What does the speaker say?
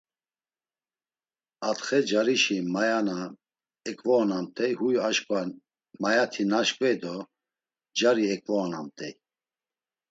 Atxe carişi maya na eǩvoonamt̆ey huy aşǩva mayati naşǩvey do cari eǩvoonamt̆ey.